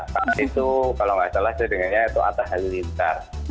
pada itu kalau nggak salah saya dengannya itu atas halilintar